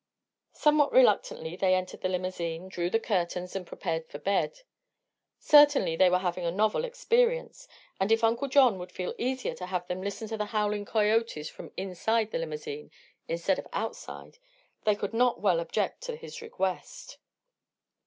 Somewhat reluctantly they entered the limousine, drew the curtains and prepared for bed. Certainly they were having a novel experience, and if Uncle John would feel easier to have them listen to the howling coyotes from inside the limousine instead of outside, they could not well object to his request.